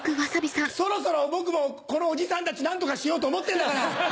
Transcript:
そろそろ僕もこのおじさんたち何とかしようと思ってんだから！